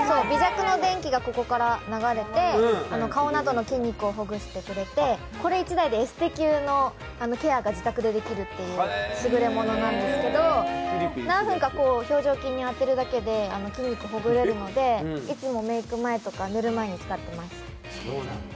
微弱の電気がここから流れて、顔などの筋肉をほぐしてくれてこれ１台でエステ級のケアが自宅でできるというすぐれものなんですけど何分か表情筋に当てるだけで筋肉がほぐれるので、いつもメーク前とか寝る前に使ってます。